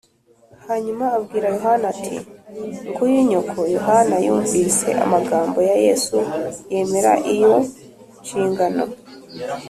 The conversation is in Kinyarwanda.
” hanyuma abwira yohana ati, “nguyu nyoko” yohana yumvise amagambo ya yesu, yemera iyo nshingano